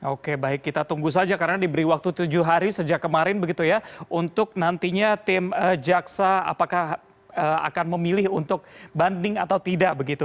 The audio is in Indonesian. oke baik kita tunggu saja karena diberi waktu tujuh hari sejak kemarin begitu ya untuk nantinya tim jaksa apakah akan memilih untuk banding atau tidak begitu